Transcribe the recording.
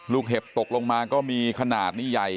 เห็บตกลงมาก็มีขนาดนี้ใหญ่